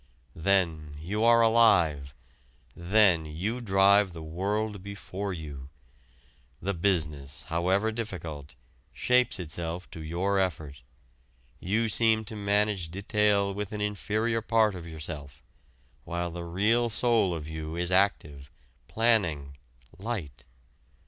Then you are alive, then you drive the world before you. The business, however difficult, shapes itself to your effort; you seem to manage detail with an inferior part of yourself, while the real soul of you is active, planning, light.